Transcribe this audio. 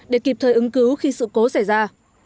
để kịp thời ứng cứu khi sự cố xảy ra